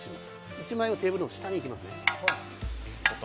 １枚をテーブルの下に入れます。